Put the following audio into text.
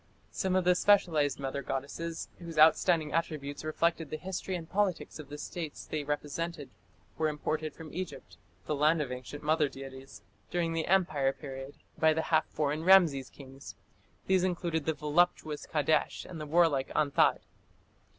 Some of the specialized mother goddesses, whose outstanding attributes reflected the history and politics of the states they represented, were imported into Egypt the land of ancient mother deities during the Empire period, by the half foreign Rameses kings; these included the voluptuous Kadesh and the warlike Anthat.